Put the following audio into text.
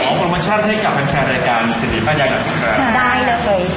ขอบรรมชาติให้กับแฟนแคร์รายการสิทธิป้ายแยกหนักสักครั้ง